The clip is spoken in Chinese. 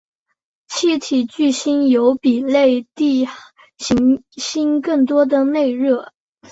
气体巨星有比类地行星更多的内热。